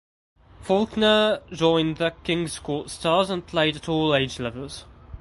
Faulkner joined the Kingscourt Stars and played at all age levels.